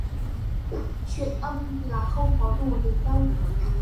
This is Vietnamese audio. Truyện âm là không có đùa được đâu